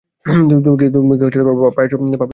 তুমি কি puppet show দেখাচ্ছো?